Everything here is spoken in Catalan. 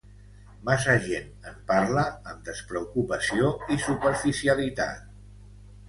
Massa gent en parla amb despreocupació i superficialitat